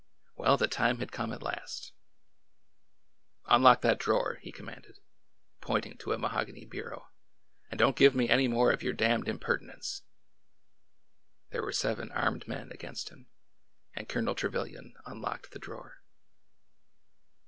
Well, the time had come at last !" Unlock that drawer 1 " he commanded, pointing to a mahogany bureau, " and don't give me any more of your damned impertinence 1 " There were seven armed men against him, and Colonel Trevilian unlocked the drawer.